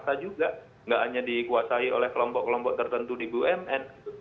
kontraktor kontraktor swasta juga nggak hanya dikuasai oleh kelompok kelompok tertentu di bumn